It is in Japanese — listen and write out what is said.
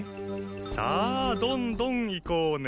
さあどんどん行こうね。